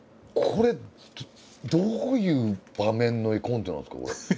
これどういう場面の絵コンテなんですかこれ。